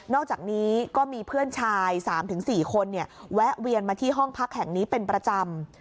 อกจากนี้ก็มีเพื่อนชาย๓๔คนแวะเวียนมาที่ห้องพักแห่งนี้เป็นประจำ